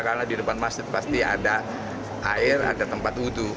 karena di depan masjid pasti ada air ada tempat uduh